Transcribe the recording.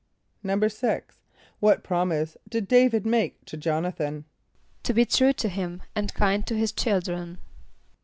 = =6.= What promise did D[=a]´vid make to J[)o]n´a than? =To be true to him and kind to his children.